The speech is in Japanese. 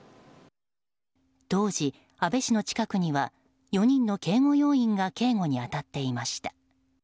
当時、安倍氏の近くには４人の警護要員が警護に当たっていました。